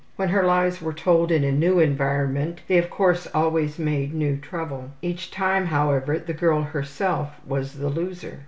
When her lies were told in a new environment they, of course, always made new trouble. Each time, however, the girl herself was the loser.